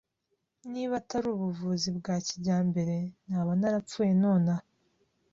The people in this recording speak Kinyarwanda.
Niba atari ubuvuzi bwa kijyambere, naba narapfuye nonaha.